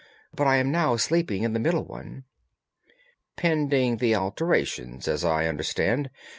But I am now sleeping in the middle one." "Pending the alterations, as I understand.